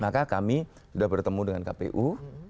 maka kami sudah bertemu dengan kpu